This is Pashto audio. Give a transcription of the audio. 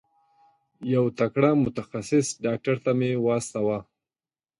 یو تکړه متخصص ډاکټر ته مي واستوه.